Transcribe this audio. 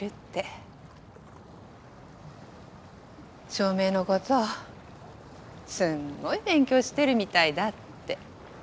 照明のことすんごい勉強してるみたいだって。